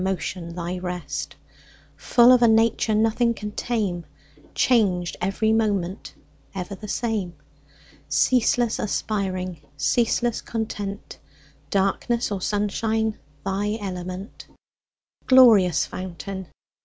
Motion thy rest; Full of a nature Nothing can tame, Changed every moment, Ever the same; Ceaseless aspiring, Ceaseless content, Darkness or sunshine Thy element; Glorious fountain.